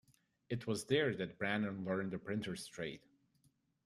It was there that Brannan learned the printer's trade.